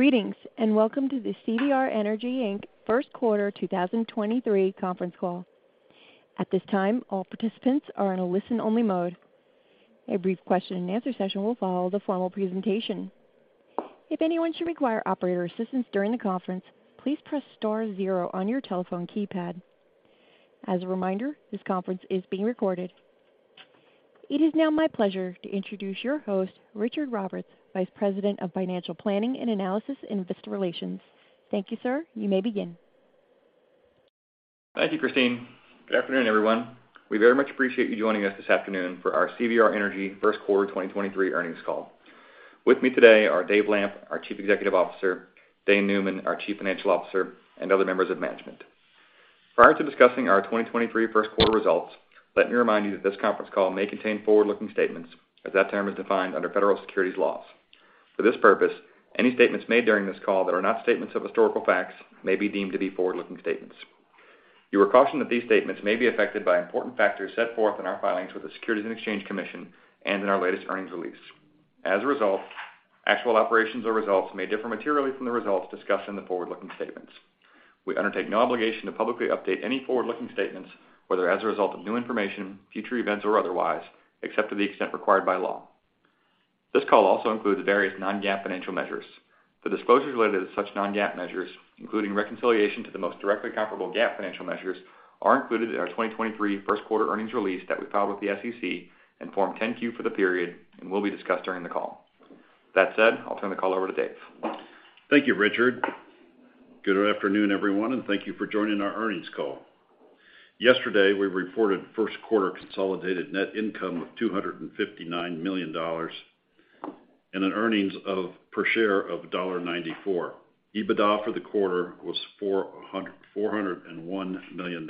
Greetings, welcome to the CVR Energy, Inc. Q1 2023 conference call. At this time, all participants are in a listen-only mode. A brief question-and-answer session will follow the formal presentation. If anyone should require operator assistance during the conference, please press * 0 on your telephone keypad. As a reminder, this conference is being recorded. It is now my pleasure to introduce your host, Richard Roberts, Vice President of Financial Planning and Analysis in Investor Relations. Thank you, sir. You may begin. Thank you, Christine. Good afternoon, everyone. We very much appreciate you joining us this afternoon for our CVR Energy Q1 2023 earnings call. With me today are Dave Lamp, our Chief Executive Officer, Dane Neumann, our Chief Financial Officer, and other members of management. Prior to discussing our 2023 Q1 results, let me remind you that this conference call may contain forward-looking statements as that term is defined under federal securities laws. For this purpose, any statements made during this call that are not statements of historical facts may be deemed to be forward-looking statements. You are cautioned that these statements may be affected by important factors set forth in our filings with the Securities and Exchange Commission and in our latest earnings release. As a result, actual operations or results may differ materially from the results discussed in the forward-looking statements. We undertake no obligation to publicly update any forward-looking statements, whether as a result of new information, future events, or otherwise, except to the extent required by law. This call also includes various non-GAAP financial measures. The disclosures related to such non-GAAP measures, including reconciliation to the most directly comparable GAAP financial measures, are included in our 2023 Q1 earnings release that we filed with the SEC and Form 10-Q for the period and will be discussed during the call. That said, I'll turn the call over to Dave. Thank you, Richard. Good afternoon, everyone, and thank you for joining our earnings call. Yesterday, we reported Q1 consolidated net income of $259 million and an earnings of per share of $1.94. EBITDA for the quarter was $401 million.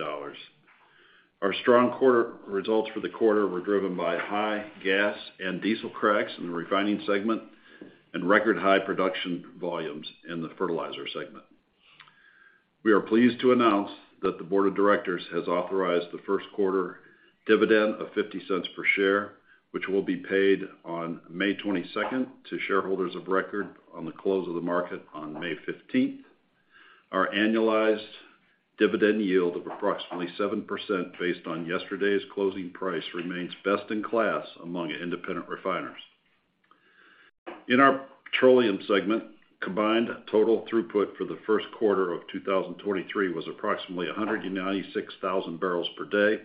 Our strong results for the quarter were driven by high gas and diesel cracks in the refining segment and record high production volumes in the fertilizer segment. We are pleased to announce that the board of directors has authorized the Q1 dividend of $0.50 per share, which will be paid on May 22nd to shareholders of record on the close of the market on May 15th. Our annualized dividend yield of approximately 7% based on yesterday's closing price remains best in class among independent refiners. In our petroleum segment, combined total throughput for the Q1 of 2023 was approximately 196,000 barrels per day,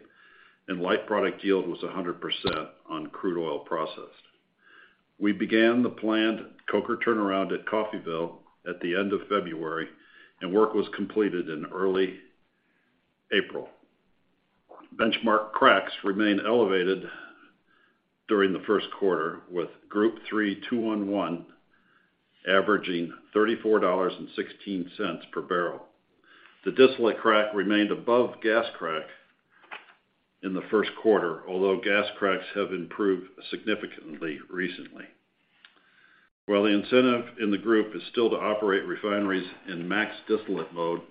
and light product yield was 100% on crude oil processed. We began the planned coker turnaround at Coffeyville at the end of February, and work was completed in early April. Benchmark cracks remained elevated during the Q1, with Group Three 2-1-1 averaging $34.16 per barrel. The distillate crack remained above gas crack in the Q1, although gas cracks have improved significantly recently. While the incentive in the group is still to operate refineries in max distillate mode,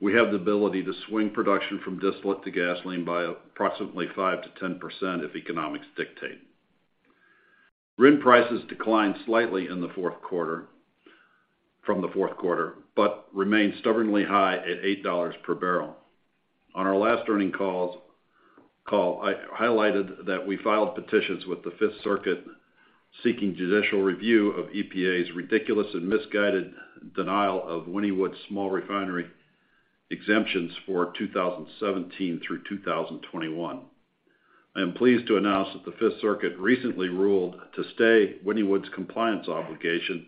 we have the ability to swing production from distillate to gasoline by approximately 5%-10% if economics dictate. RIN prices declined slightly from the Q4, but remained stubbornly high at $8 per barrel. On our last earning call, I highlighted that we filed petitions with the Fifth Circuit seeking judicial review of EPA's ridiculous and misguided denial of Wynnewood's small refinery exemptions for 2017 through 2021. I am pleased to announce that the Fifth Circuit recently ruled to stay Wynnewood's compliance obligation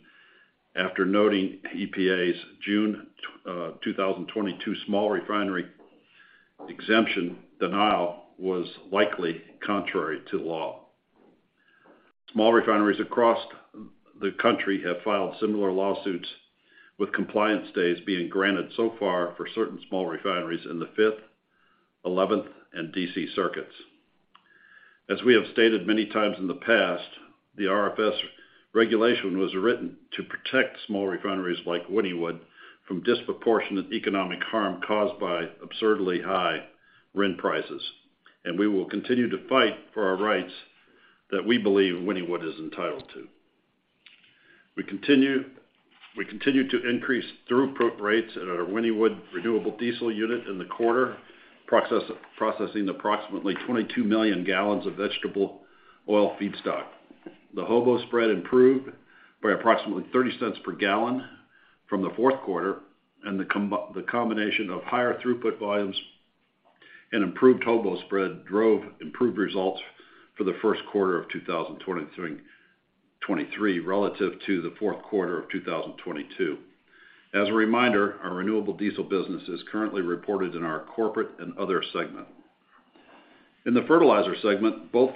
after noting EPA's June 2022 small refinery exemption denial was likely contrary to law. Small refineries across the country have filed similar lawsuits, with compliance stays being granted so far for certain small refineries in the Fifth, Eleventh, and D.C. Circuits. As we have stated many times in the past, the RFS regulation was written to protect small refineries like Wynnewood from disproportionate economic harm caused by absurdly high RIN prices. We will continue to fight for our rights that we believe Wynnewood is entitled to. We continue to increase throughput rates at our Wynnewood renewable diesel unit in the quarter, processing approximately 22 million gallons of vegetable oil feedstock. The HOBO spread improved by approximately $0.30 per gallon from the Q4. The combination of higher throughput volumes and improved HOBO spread drove improved results for the Q1 of 2023 relative to the Q4 of 2022. As a reminder, our renewable diesel business is currently reported in our corporate and other segment. In the fertilizer segment, both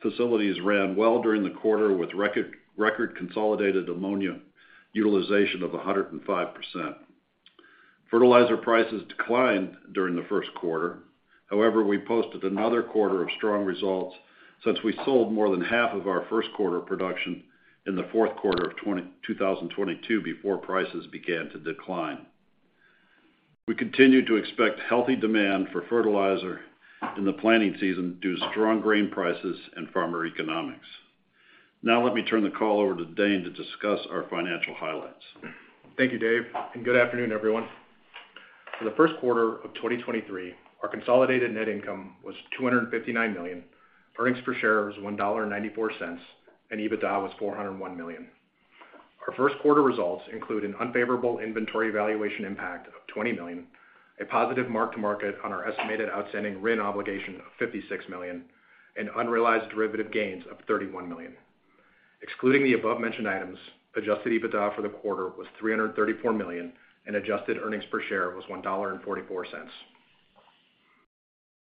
facilities ran well during the quarter with record consolidated ammonia utilization of 105%. Fertilizer prices declined during the Q1. However, we posted another quarter of strong results since we sold more than half of our Q1 production in the Q4 of 2022 before prices began to decline. We continue to expect healthy demand for fertilizer in the planning season due to strong grain prices and farmer economics. Let me turn the call over to Dane to discuss our financial highlights. Thank you, Dave, and good afternoon, everyone. For the Q1 of 2023, our consolidated net income was $259 million. Earnings per share was $1.94, and EBITDA was $401 million. Our Q1 results include an unfavorable inventory valuation impact of $20 million, a positive mark-to-market on our estimated outstanding RIN obligation of $56 million, and unrealized derivative gains of $31 million. Excluding the above mentioned items, adjusted EBITDA for the quarter was $334 million, and adjusted earnings per share was $1.44.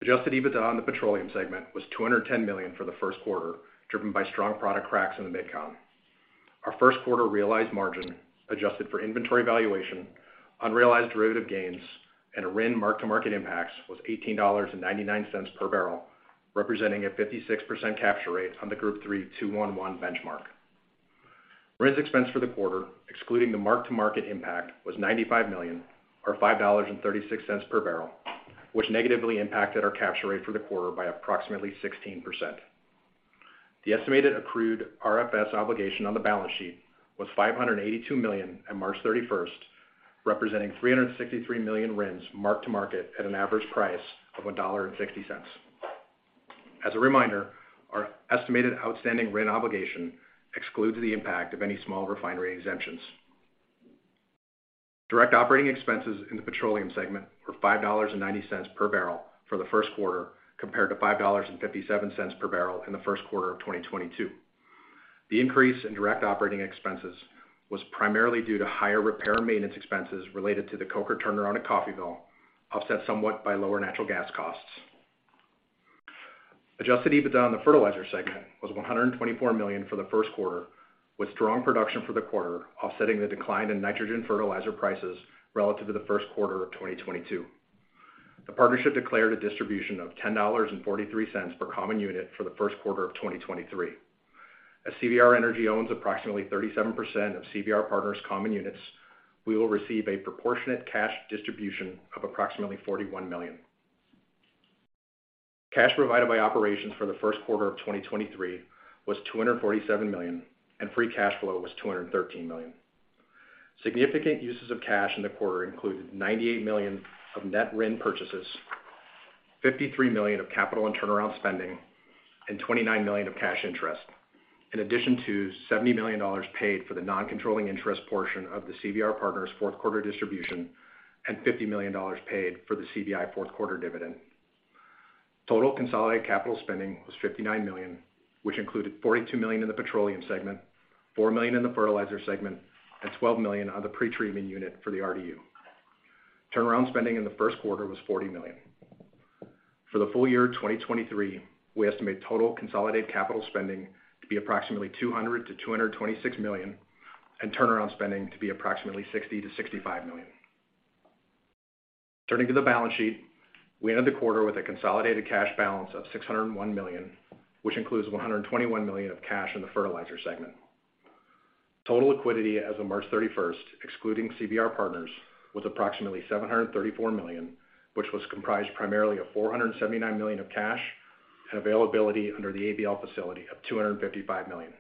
Adjusted EBITDA on the petroleum segment was $210 million for the Q1, driven by strong product cracks in the Mid-Con. Our Q1 realized margin, adjusted for inventory valuation, unrealized derivative gains, and a RIN mark-to-market impacts was $18.99 per barrel, representing a 56% capture rate on the Group Three 2-1-1 benchmark. RINs expense for the quarter, excluding the mark-to-market impact, was $95 million or $5.36 per barrel, which negatively impacted our capture rate for the quarter by approximately 16%. The estimated accrued RFS obligation on the balance sheet was $582 million on March 31st, representing 363 million RINs mark-to-market at an average price of $1.60. As a reminder, our estimated outstanding RIN obligation excludes the impact of any small refinery exemptions. Direct operating expenses in the petroleum segment were $5.90 per barrel for the Q1, compared to $5.57 per barrel in the Q1 of 2022. The increase in direct operating expenses was primarily due to higher repair and maintenance expenses related to the coker turnaround at Coffeyville, offset somewhat by lower natural gas costs. Adjusted EBITDA on the fertilizer segment was $124 million for the Q1, with strong production for the quarter offsetting the decline in nitrogen fertilizer prices relative to the Q1 of 2022. The partnership declared a distribution of $10.43 per common unit for the Q1 of 2023. As CVR Energy owns approximately 37% of CVR Partners common units, we will receive a proportionate cash distribution of approximately $41 million. Cash provided by operations for the Q1 of 2023 was $247 million. Free cash flow was $213 million. Significant uses of cash in the quarter included $98 million of net RIN purchases, $53 million of capital and turnaround spending, and $29 million of cash interest, in addition to $70 million paid for the non-controlling interest portion of the CVR Partners' Q4 distribution and $50 million paid for the CVI Q4 dividend. Total consolidated capital spending was $59 million, which included $42 million in the petroleum segment, $4 million in the fertilizer segment, and $12 million on the pretreatment unit for the RDU. Turnaround spending in the Q1 was $40 million. For the full year of 2023, we estimate total consolidated capital spending to be approximately $200 - $226 million, and turnaround spending to be approximately $60 - $65 million. Turning to the balance sheet, we ended the quarter with a consolidated cash balance of $601 million, which includes $121 million of cash in the fertilizer segment. Total liquidity as of March 31st, excluding CVR Partners, was approximately $734 million, which was comprised primarily of $479 million of cash and availability under the ABL facility of $255 million.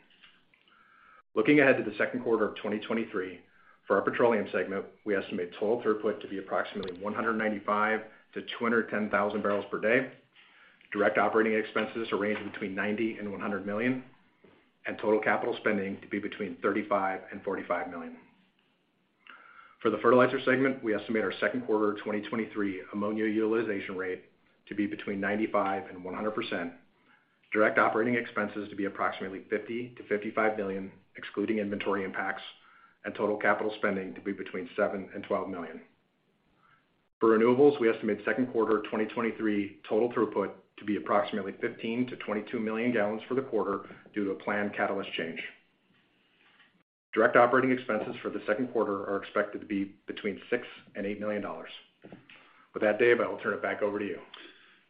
Looking ahead to the Q2 of 2023, for our petroleum segment, we estimate total throughput to be approximately 195,000-210,000 barrels per day. Direct operating expenses to range between $90 - $100 million, total capital spending to be between $35 - $45 million. For the fertilizer segment, we estimate our Q2 2023 ammonia utilization rate to be between 95%-100%. Direct operating expenses to be approximately $50 - $55 million, excluding inventory impacts, total capital spending to be between $7 - $12 million. For renewables, we estimate Q2 2023 total throughput to be approximately 15 - 22 million gallons for the quarter due to a planned catalyst change. Direct operating expenses for the Q2 are expected to be between $6 - $8 million. With that, Dave, I will turn it back over to you.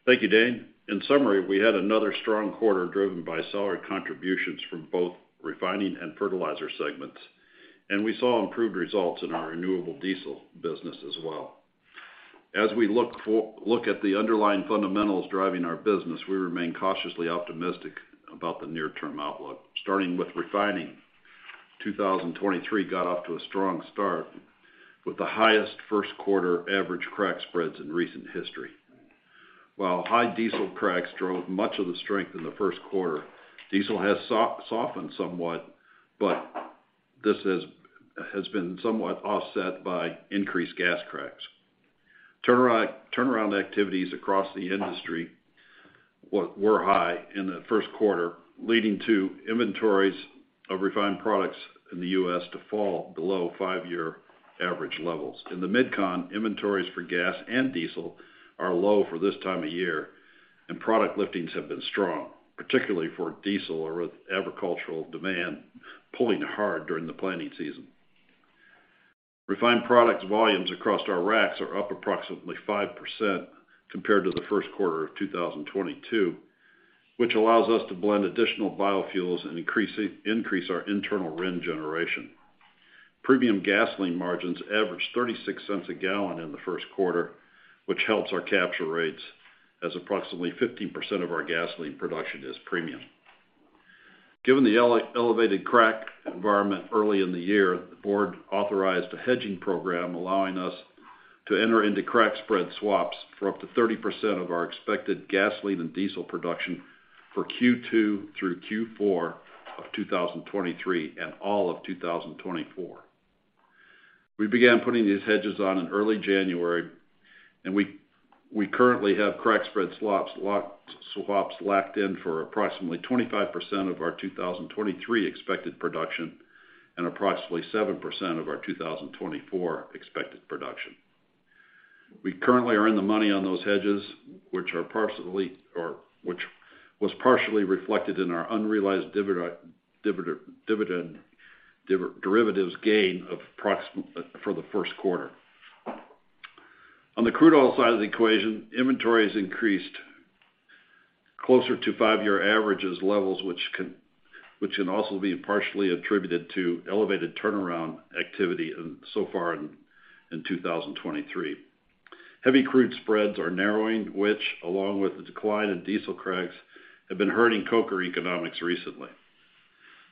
Thank you, Dane. In summary, we had another strong quarter driven by solid contributions from both refining and fertilizer segments, and we saw improved results in our renewable diesel business as well. As we look at the underlying fundamentals driving our business, we remain cautiously optimistic about the near-term outlook. Starting with refining, 2023 got off to a strong start with the highest Q1 average crack spreads in recent history. While high diesel cracks drove much of the strength in the Q1, diesel has softened somewhat, but this has been somewhat offset by increased gas cracks. Turnaround activities across the industry were high in the Q1, leading to inventories of refined products in the U.S. to fall below 5-year average levels. In the Mid-Con, inventories for gas and diesel are low for this time of year, product liftings have been strong, particularly for diesel or agricultural demand pulling hard during the planning season. Which allows us to blend additional biofuels and increase our internal RIN generation. Refined product volumes across our racks are up approximately 5% compared to the Q1 of 2022. Premium gasoline margins averaged $0.36 a gallon in the Q1, which helps our capture rates as approximately 15% of our gasoline production is premium. Given the elevated crack environment early in the year, the board authorized a hedging program allowing us to enter into crack spread swaps for up to 30% of our expected gasoline and diesel production for Q2 through Q4 of 2023 and all of 2024. We began putting these hedges on in early January, we currently have crack spread swaps locked in for approximately 25% of our 2023 expected production and approximately 7% of our 2024 expected production. We currently are in the money on those hedges, which was partially reflected in our unrealized dividend derivatives gain for the Q1. On the crude oil side of the equation, inventory has increased closer to 5-year averages levels, which can also be partially attributed to elevated turnaround activity in so far in 2023. Heavy crude spreads are narrowing, which, along with the decline in diesel cracks, have been hurting coker economics recently.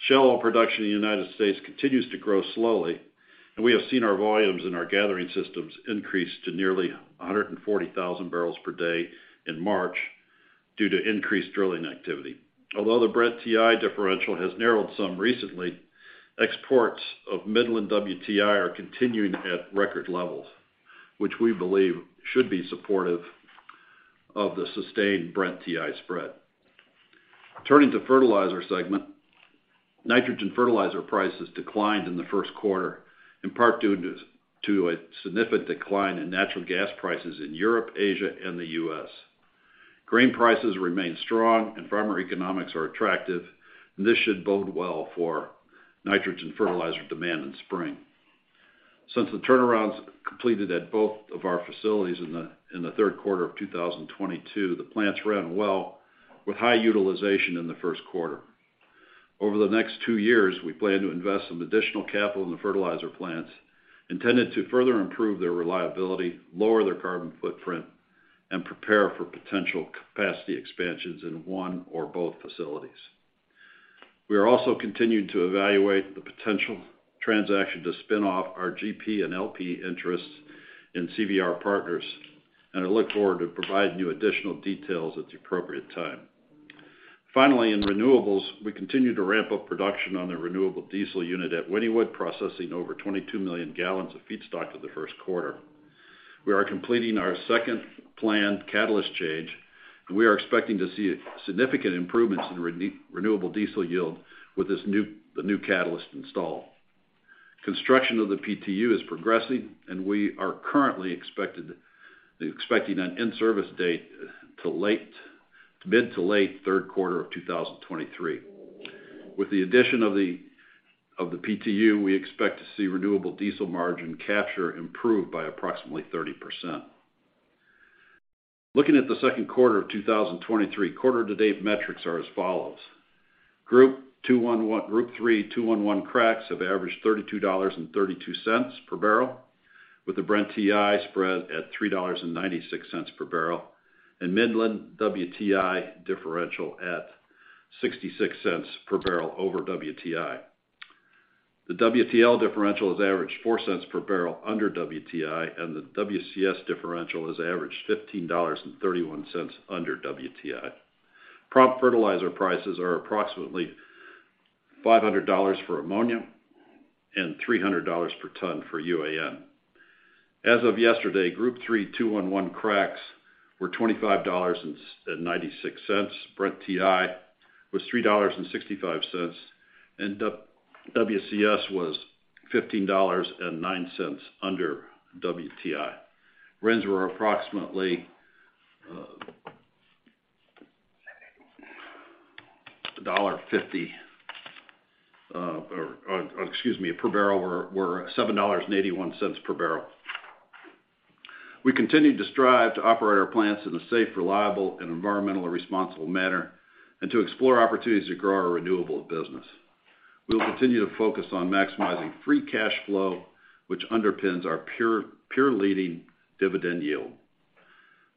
Shale oil production in the United States continues to grow slowly, we have seen our volumes in our gathering systems increase to nearly 140,000 barrels per day in March due to increased drilling activity. Although the Brent WTI differential has narrowed some recently, exports of WTI Midland are continuing at record levels, which we believe should be supportive of the sustained Brent WTI spread. Turning to fertilizer segment, nitrogen fertilizer prices declined in the Q1, in part due to a significant decline in natural gas prices in Europe, Asia, and the U.S. Grain prices remain strong and farmer economics are attractive, this should bode well for nitrogen fertilizer demand in spring. Since the turnarounds completed at both of our facilities in the Q3 of 2022, the plants ran well with high utilization in the Q1. Over the next two years, we plan to invest some additional capital in the fertilizer plants intended to further improve their reliability, lower their carbon footprint, and prepare for potential capacity expansions in one or both facilities. We are also continuing to evaluate the potential transaction to spin off our GP and LP interests in CVR Partners, I look forward to providing you additional details at the appropriate time. Finally, in renewables, we continue to ramp up production on the renewable diesel unit at Wynnewood, processing over 22 million gallons of feedstock for the Q1. We are completing our second planned catalyst change, we are expecting to see significant improvements in renewable diesel yield with the new catalyst install. Construction of the PTU is progressing, we are currently expecting an in-service date to mid to late Q3 of 2023. With the addition of the PTU, we expect to see renewable diesel margin capture improve by approximately 30%. Looking at the Q2 of 2023, quarter to date metrics are as follows: Group Three 2-1-1 cracks have averaged $32.32 per barrel, with the Brent/WTI spread at $3.96 per barrel and WTI Midland differential at $0.66 per barrel over WTI. The WTL differential has averaged $0.04 per barrel under WTI, and the WCS differential has averaged $15.31 under WTI. Prompt fertilizer prices are approximately $500 for ammonia and $300 per ton for UAN. As of yesterday, Group Three 2-1-1 cracks were $25.96. Brent WTI was $3.65, and WCS was $15.09 under WTI. RINs were approximately $1.50, or excuse me, per barrel were $7.81 per barrel. We continue to strive to operate our plants in a safe, reliable, and environmentally responsible manner, and to explore opportunities to grow our renewable business. We will continue to focus on maximizing free cash flow, which underpins our peer leading dividend yield.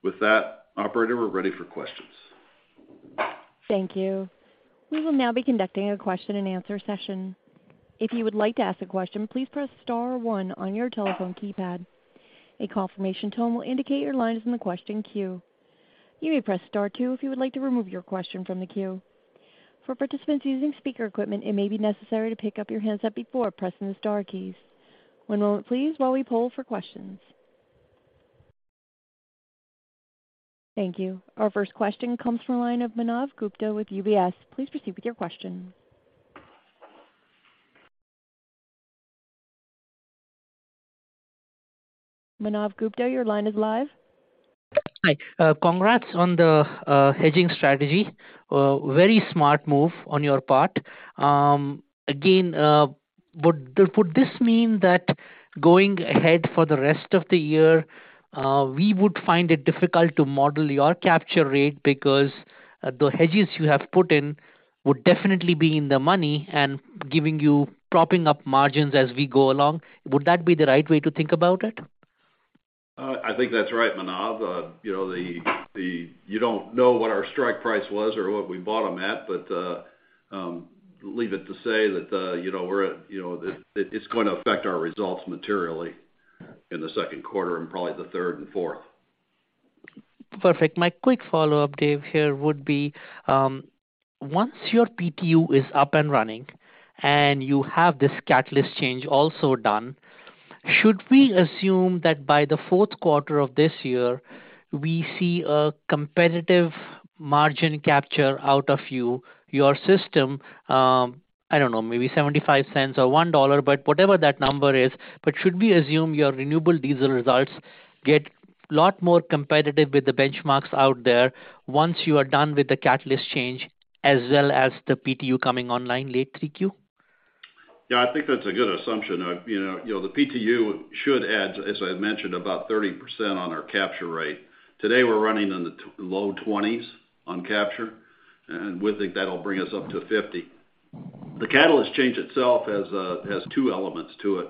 With that, operator, we're ready for questions. Thank you. We will now be conducting a question and answer session. If you would like to ask a question, please press * 1 on your telephone keypad. A confirmation tone will indicate your line is in the question queue. You may press * 2 if you would like to remove your question from the queue. For participants using speaker equipment, it may be necessary to pick up your handset before pressing the * keys. One moment, please, while we poll for questions. Thank you. Our first question comes from the line of Manav Gupta with UBS. Please proceed with your question. Manav Gupta, your line is live. Hi, congrats on the hedging strategy. Very smart move on your part. Again, would this mean that going ahead for the rest of the year, we would find it difficult to model your capture rate because the hedges you have put in would definitely be in the money and giving you propping up margins as we go along? Would that be the right way to think about it? I think that's right, Manav. you know, the you don't know what our strike price was or what we bought them at, but, leave it to say that, you know, we're at, you know, it's going to affect our results materially in the Q2 and probably the Q3 and Q4. Perfect. My quick follow-up, Dave, here would be, once your PTU is up and running and you have this catalyst change also done, should we assume that by the Q4 of this year, we see a competitive margin capture out of you, your system? I don't know, maybe $0.75 or $1, but whatever that number is. Should we assume your renewable diesel results get a lot more competitive with the benchmarks out there once you are done with the catalyst change as well as the PTU coming online late 3Q? Yeah, I think that's a good assumption. you know, you know, the PTU should add, as I mentioned, about 30% on our capture rate. Today, we're running in the low 20s on capture, and we think that'll bring us up to 50. The catalyst change itself has two elements to it.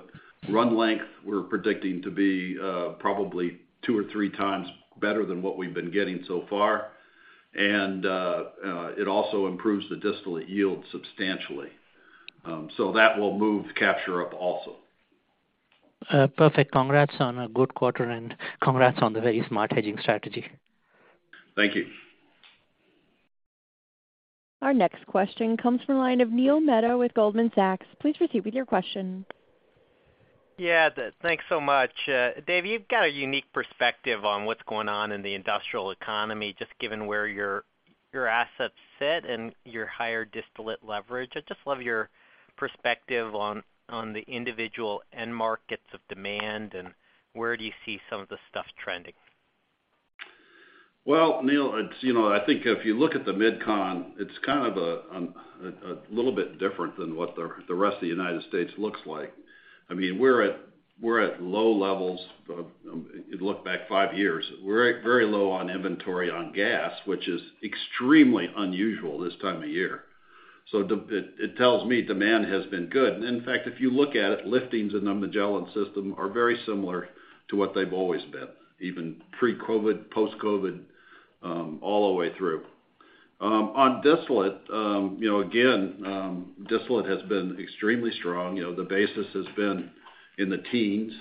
Run length, we're predicting to be, probably two or three times better than what we've been getting so far, and it also improves the distillate yield substantially. That will move capture up also. Perfect. Congrats on a good quarter. Congrats on the very smart hedging strategy. Thank you. Our next question comes from the line of Neil Mehta with Goldman Sachs. Please proceed with your question. Thanks so much. Dave, you've got a unique perspective on what's going on in the industrial economy, just given where your assets sit and your higher distillate leverage. I'd just love your perspective on the individual end markets of demand and where do you see some of the stuff trending? Neil, it's, you know, I think if you look at the MidCon, it's kind of a little bit different than what the rest of the United States looks like. I mean, we're at low levels. You look back five years, we're at very low on inventory on gas, which is extremely unusual this time of year. It tells me demand has been good. In fact, if you look at it, liftings in the Magellan system are very similar to what they've always been, even pre-COVID, post-COVID, all the way through. On distillate, you know, again, distillate has been extremely strong. You know, the basis has been in the teens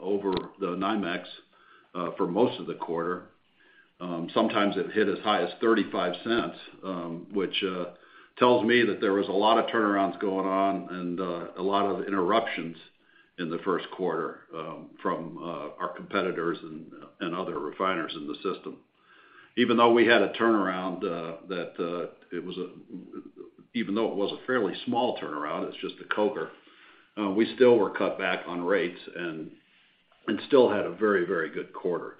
over the NYMEX for most of the quarter. Sometimes it hit as high as $0.35, which tells me that there was a lot of turnarounds going on and a lot of interruptions in the Q1 from our competitors and other refiners in the system. Even though we had a turnaround, Even though it was a fairly small turnaround, it's just a coker, we still were cut back on rates and still had a very good quarter.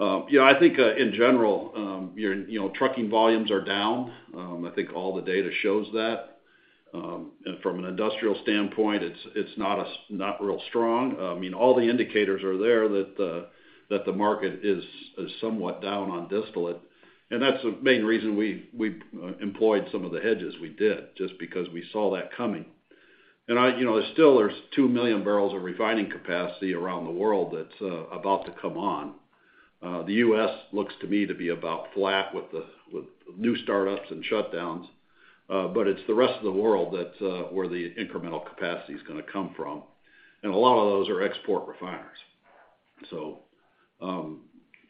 You know, I think in general, you know, trucking volumes are down. I think all the data shows that. From an industrial standpoint, it's not real strong. I mean, all the indicators are there that the market is somewhat down on distillate. That's the main reason we employed some of the hedges we did, just because we saw that coming. You know, there's still, there's 2 million barrels of refining capacity around the world that's about to come on. The U.S. looks to me to be about flat with new startups and shutdowns. It's the rest of the world that's where the incremental capacity is gonna come from, and a lot of those are export refiners.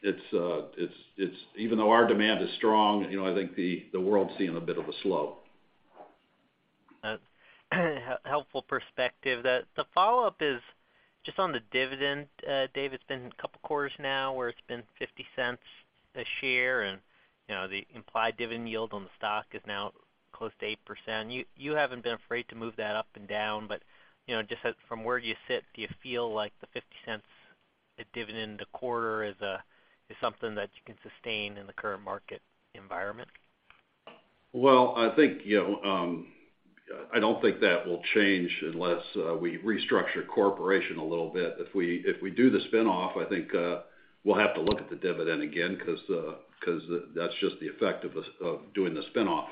It's even though our demand is strong, you know, I think the world's seeing a bit of a slow. Helpful perspective. The follow-up is just on the dividend. Dave, it's been a couple quarters now where it's been $0.50 a share and, you know, the implied dividend yield on the stock is now close to 8%. You haven't been afraid to move that up and down, but, you know, just from where you sit, do you feel like the $0.50 a dividend a quarter is something that you can sustain in the current market environment? Well, I think, you know, I don't think that will change unless we restructure corporation a little bit. If we do the spin-off, I think, we'll have to look at the dividend again 'cause that's just the effect of doing the spin-off.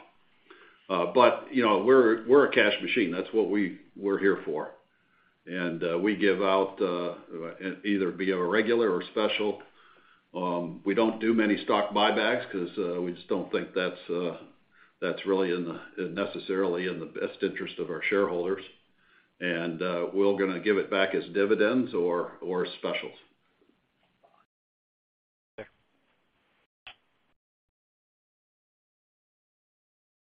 You know, we're a cash machine. That's what we're here for. We give out either via a regular or special. We don't do many stock buybacks 'cause we just don't think that's really necessarily in the best interest of our shareholders. We're gonna give it back as dividends or specials. Okay.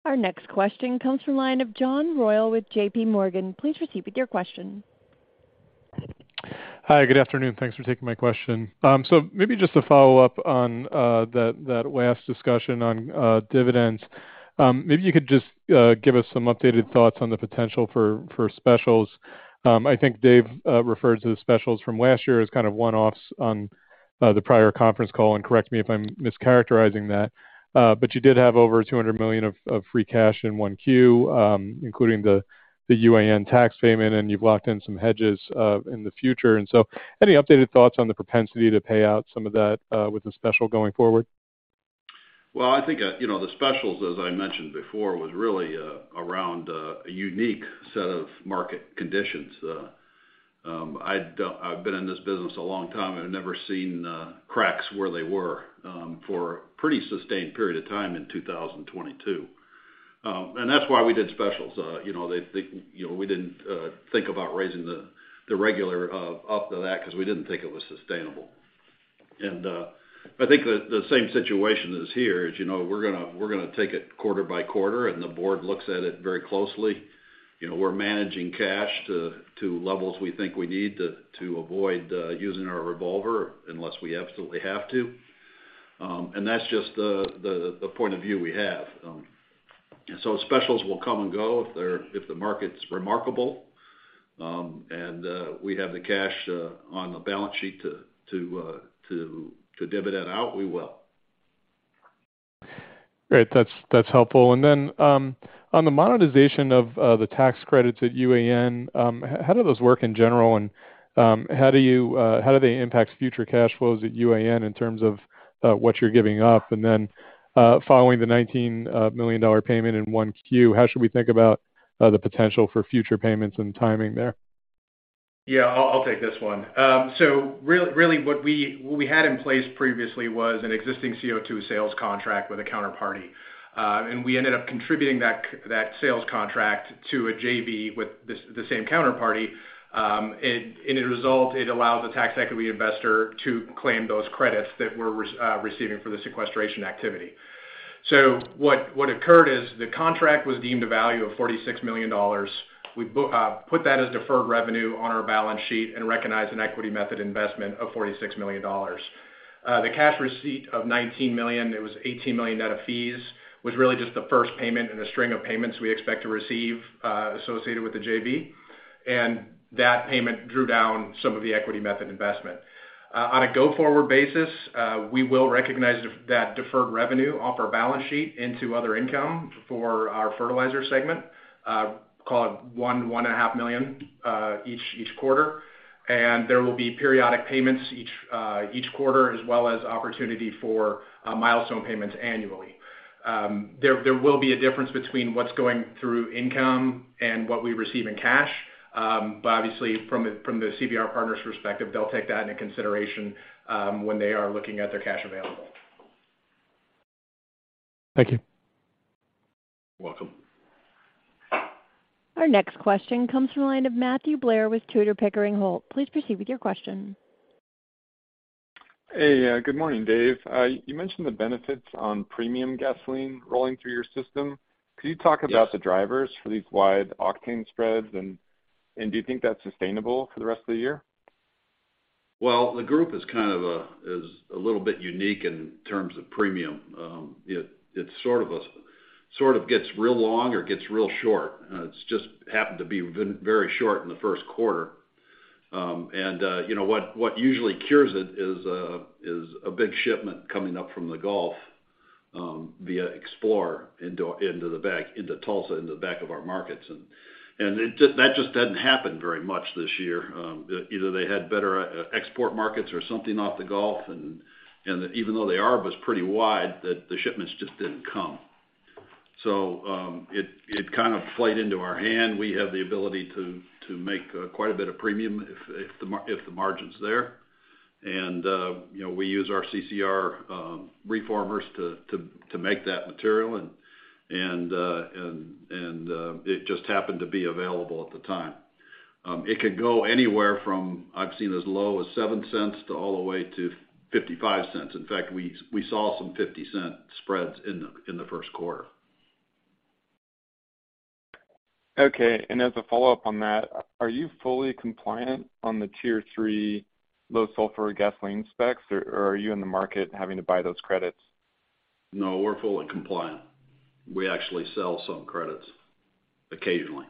Our next question comes from the line of John Royall with JPMorgan. Please proceed with your question. Hi. Good afternoon. Thanks for taking my question. Maybe just to follow up on that last discussion on dividends. Maybe you could just give us some updated thoughts on the potential for specials. I think Dave referred to the specials from last year as kind of one-offs on the prior conference call, and correct me if I'm mischaracterizing that. But you did have over $200 million of free cash in Q1, including the UAN tax payment, and you've locked in some hedges in the future. Any updated thoughts on the propensity to pay out some of that with the special going forward? Well, I think, you know, the specials, as I mentioned before, was really, around, a unique set of market conditions. I'd, I've been in this business a long time and I've never seen, cracks where they were, for a pretty sustained period of time in 2022. That's why we did specials. You know, they, you know, we didn't, think about raising the regular, up to that 'cause we didn't think it was sustainable. I think the same situation is here is, you know, we're gonna take it quarter by quarter and the board looks at it very closely. You know, we're managing cash to levels we think we need to avoid, using our revolver unless we absolutely have to. That's just the point of view we have. So specials will come and go if the market's remarkable, and we have the cash on the balance sheet to dividend out, we will. Great. That's, that's helpful. Then, on the monetization of the tax credits at UAN, how do those work in general? How do they impact future cash flows at UAN in terms of what you're giving up? Then, following the $19 million payment in Q1, how should we think about the potential for future payments and timing there? Yeah, I'll take this one. Really what we had in place previously was an existing CO2 sales contract with a counterparty. We ended up contributing that sales contract to a JV with the same counterparty. In a result, it allowed the tax equity investor to claim those credits that we're receiving for the sequestration activity. What occurred is the contract was deemed a value of $46 million. We put that as deferred revenue on our balance sheet and recognized an equity method investment of $46 million. The cash receipt of $19 million, it was $18 million net of fees, was really just the first payment in a string of payments we expect to receive associated with the JV. That payment drew down some of the equity method investment. On a go-forward basis, we will recognize that deferred revenue off our balance sheet into other income for our fertilizer segment, call it one and a half million each quarter. There will be periodic payments each quarter as well as opportunity for milestone payments annually. There will be a difference between what's going through income and what we receive in cash. Obviously from the CVR Partners' perspective, they'll take that into consideration, when they are looking at their cash available. Thank you. You're welcome. Our next question comes from the line of Matthew Blair with Tudor, Pickering Holt. Please proceed with your question. Hey. Good morning, Dave. You mentioned the benefits on premium gasoline rolling through your system. Yes. Could you talk about the drivers for these wide octane spreads? Do you think that's sustainable for the rest of the year? Well, the group is a little bit unique in terms of premium. It sort of gets real long or gets real short. It's just happened to be very short in the Q1. You know, what usually cures it is a big shipment coming up from the Gulf, via Explorer into the back, into Tulsa, into the back of our markets. That just didn't happen very much this year. Either they had better export markets or something off the Gulf, and even though the arb was pretty wide, the shipments just didn't come. It kind of played into our hand. We have the ability to make quite a bit of premium if the margin's there. You know, we use our CCR reformers to make that material. It just happened to be available at the time. It could go anywhere from, I've seen as low as $0.07 to all the way to $0.55. In fact, we saw some $0.50 spreads in the Q1. Okay. As a follow-up on that, are you fully compliant on the Tier 3 low sulfur gasoline specs, or are you in the market having to buy those credits? No, we're fully compliant. We actually sell some credits occasionally.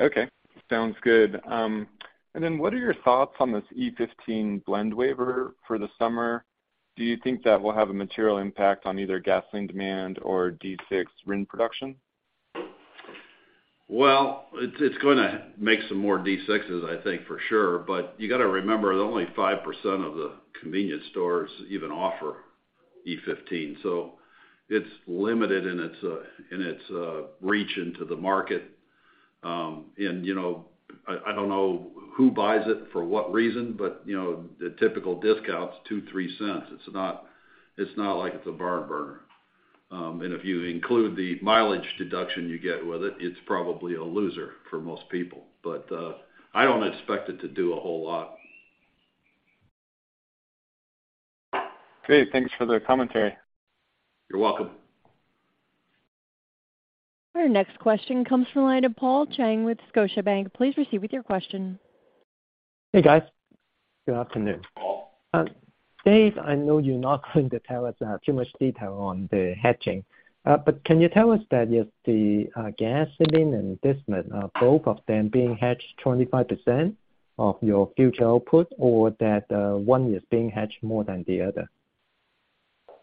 Okay. Sounds good. What are your thoughts on this E15 blend waiver for the summer? Do you think that will have a material impact on either gasoline demand or D6 RIN production? It's gonna make some more D6s, I think for sure. You gotta remember that only 5% of the convenience stores even offer E15, so it's limited in its in its reach into the market. You know, I don't know who buys it for what reason, but, you know, the typical discount's $0.02-$0.03. It's not like it's a barn burner. If you include the mileage deduction you get with it's probably a loser for most people. I don't expect it to do a whole lot. Great. Thanks for the commentary. You're welcome. Our next question comes from the line of Paul Chang with Scotiabank. Please proceed with your question. Hey, guys. Good afternoon. Dave, I know you're not going to tell us, too much detail on the hedging. Can you tell us that if the gas -both of them being hedged 25% of your future output or that one is being hedged more than the other?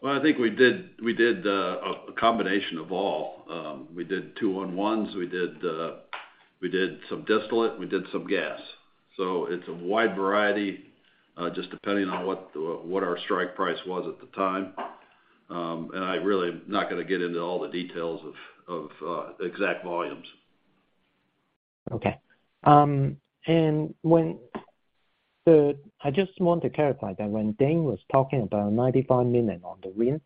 Well, I think we did a combination of all. We did 2 on 1s. We did some distillate, we did some gas. It's a wide variety, just depending on what our strike price was at the time. I really am not gonna get into all the details of exact volumes. Okay. I just want to clarify that when Dane was talking about $95 million on the RIN,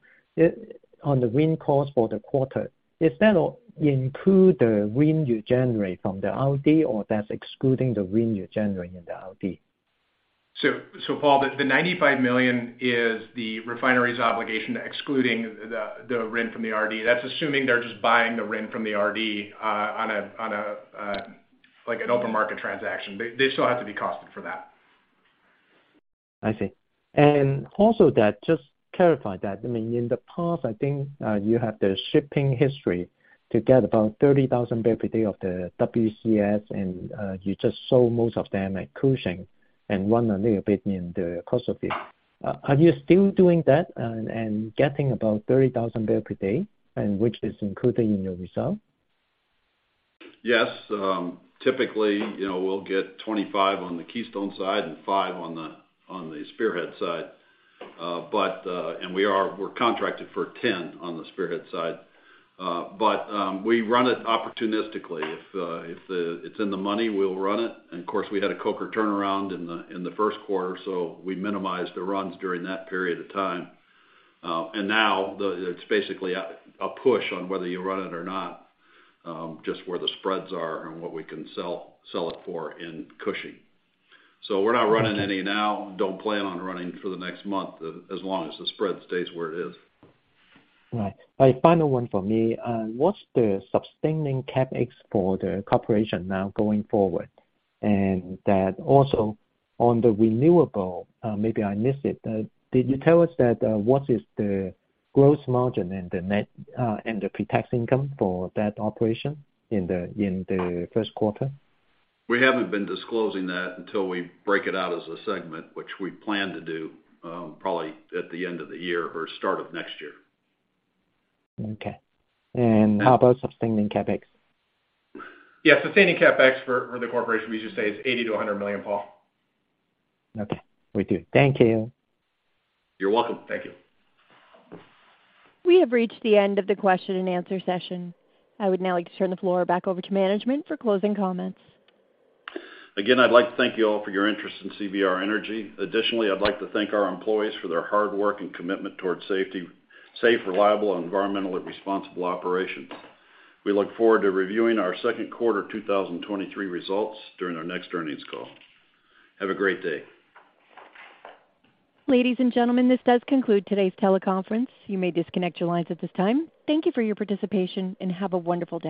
on the RIN costs for the quarter, does that include the RIN you generate from the RD or that's excluding the RIN you're generating in the RD? Paul, the $95 million is the refinery's obligation excluding the RIN from the RD. That's assuming they're just buying the RIN from the RD, like an open market transaction. They still have to be costed for that. I see. Also that just clarify that. I mean, in the past, I think, you have the shipping history to get about 30,000 barrel per day of the WCS and, you just sold most of them at Cushing and run a little bit in the cost of it. Are you still doing that and getting about 30,000 barrel per day and which is included in your result? Yes. Typically, you know, we'll get 25 on the Keystone side and 5 on the Spearhead side. We're contracted for 10 on the Spearhead side. We run it opportunistically. If it's in the money, we'll run it. Of course, we had a coker turnaround in the Q1, so we minimized the runs during that period of time. Now it's basically a push on whether you run it or not, just where the spreads are and what we can sell it for in Cushing. We're not running any now. Don't plan on running for the next month as long as the spread stays where it is. Right. A final one for me. What's the sustaining CapEX for the corporation now going forward? That also on the renewable, maybe I missed it. Did you tell us that, what is the growth margin and the net, and the pre-tax income for that operation in the, in the Q1? We haven't been disclosing that until we break it out as a segment, which we plan to do, probably at the end of the year or start of next year. Okay. how about sustaining CapEX? Yeah, sustaining CapEX for the corporation, we just say it's $80 - $100 million, Paul. Okay. Will do. Thank you. You're welcome. Thank you. We have reached the end of the question and answer session. I would now like to turn the floor back over to management for closing comments. Again, I'd like to thank you all for your interest in CVR Energy. Additionally, I'd like to thank our employees for their hard work and commitment towards safe, reliable and environmentally responsible operations. We look forward to reviewing our Q2 2023 results during our next earnings call. Have a great day. Ladies and gentlemen, this does conclude today's teleconference. You may disconnect your lines at this time. Thank you for your participation, and have a wonderful day.